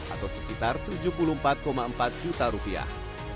atau sekitar tujuh puluh empat empat juta rupiah